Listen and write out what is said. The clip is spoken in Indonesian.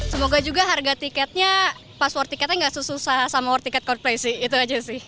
semoga juga harga tiketnya pas war tiketnya nggak susah sama war tiket korplesi itu aja sih